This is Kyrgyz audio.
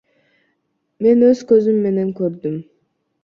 Мен өз көзүм менен көрдүм.